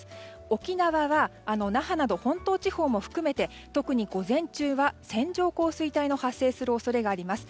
沖縄は那覇など本島地方も含めて特に午前中は線状降水帯が発生する恐れがあります。